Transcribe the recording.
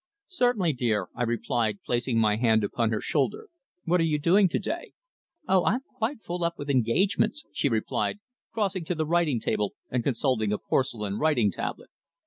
"Certainly, dear," I replied, placing my hand upon her shoulder. "What are you doing to day?" "Oh! I'm quite full up with engagements," she replied, crossing to the writing table and consulting a porcelain writing tablet.